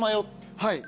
はい。